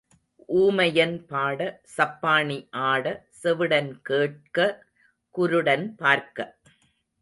ஊமையன் பாட, சப்பாணி ஆட, செவிடன் கேட்க, குருடன் பார்க்க.